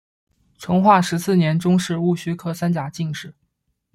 成化十四年中式戊戌科三甲进士。